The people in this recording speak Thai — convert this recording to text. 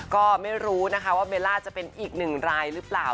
ก็ไม่รู้นะคะว่าเบลล่าจะเป็นอีกหนึ่งรายหรือเปล่า